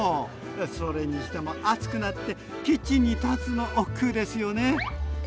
それにしても暑くなってキッチンに立つのおっくうですよね。